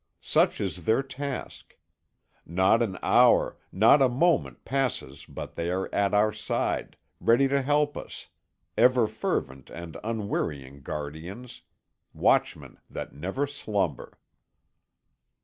Such is their task. Not an hour, not a moment passes but they are at our side, ready to help us, ever fervent and unwearying guardians, watchmen that never slumber."